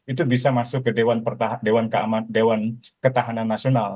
itu bisa masuk ke dewan ketahanan nasional